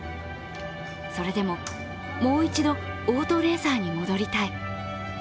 それでも、もう一度オートレーサーに戻りたい。